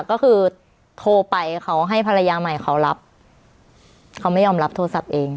ก็คือโทรไปเขาให้ภรรยาใหม่เขารับเขาไม่ยอมรับโทรศัพท์เอง